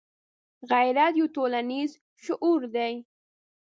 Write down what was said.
غیرت یو ټولنیز شعور دی